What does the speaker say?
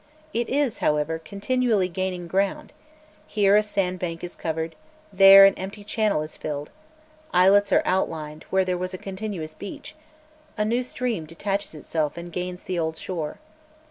It is, however, continually gaining ground; here a sandbank is covered, there an empty channel is filled, islets are outlined where there was a continuous beach, a new stream detaches itself and gains the old shore.